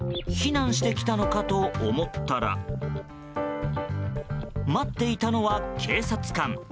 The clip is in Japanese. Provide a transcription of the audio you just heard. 避難してきたのかと思ったら待っていたのは警察官。